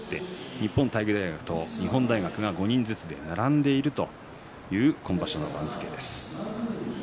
日本体育大学と日本大学が５人ずつで並んでいるという今場所の番付です。